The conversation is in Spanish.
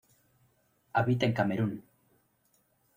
Habita en Camerún.